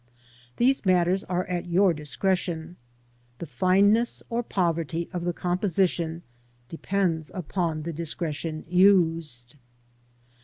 These matters are at your discretion ; the fineness or poverty of the composition depends upon the discretion used.